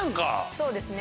そうですね。